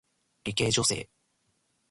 理系女性